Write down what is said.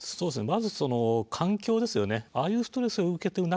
まずその環境ですよね。